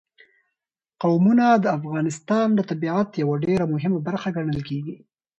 قومونه د افغانستان د طبیعت یوه ډېره مهمه برخه ګڼل کېږي.